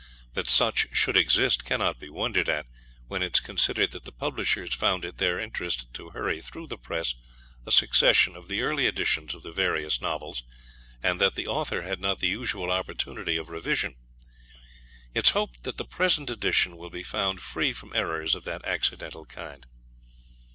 That such should exist cannot be wondered at, when it is considered that the Publishers found it their interest to hurry through the press a succession of the early editions of the various Novels, and that the Author had not the usual opportunity of revision. It is hoped that the present edition will be found free from errors of that accidental kind.